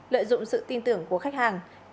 lợi dụng sự tin tưởng của khách hàng